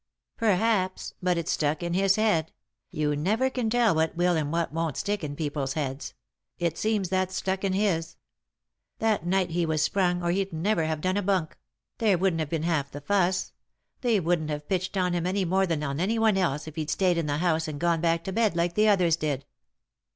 " Perhaps ; but it stuck in his head ; you never can tell what will and what won't stick in people's heads ; it seems that stuck in his. That night he was sprung, or he'd never have done a bunk ; there wouldn't have 103 3i 9 iii^d by Google THE INTERRUPTED KISS been half the fuss ; they wouldn't have pitched on him any more than on anyone else if he'd stayed in the house and gone back to bed like the others did."